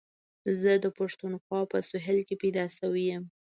زه د پښتونخوا په سهېل کي پيدا شوی یم.